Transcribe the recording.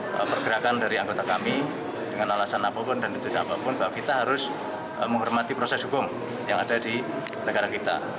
dan pergerakan dari anggota kami dengan alasan apapun dan tidak apapun bahwa kita harus menghormati proses hukum yang ada di negara kita